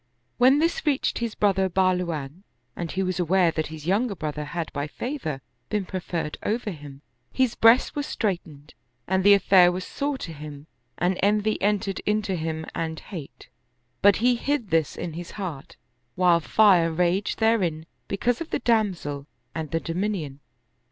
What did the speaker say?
When this reached his brother Bahluwan and he was aware that his younger brother had by favor been preferred over him, his breast was straitened and the affair was sore to him and envy entered into him and hate; but he hid this in his heart, while fire raged therein because of the damsel and the do minion.